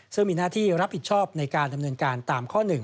ซึ่งมีหน้าที่รับผิดชอบในการดำเนินการตามข้อ๑